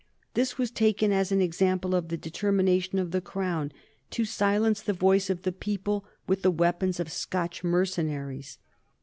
This was taken as an example of the determination of the Crown to silence the voice of the people with the weapons of Scotch mercenaries.